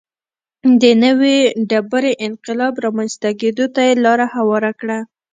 د نوې ډبرې انقلاب رامنځته کېدو ته یې لار هواره کړه.